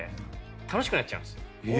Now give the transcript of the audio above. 楽しくなっちゃうんです。